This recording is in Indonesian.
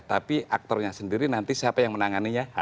tapi aktornya sendiri nanti siapa yang menanganinya